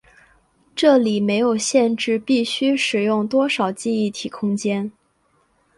这里没有限制必须使用多少记忆体空间。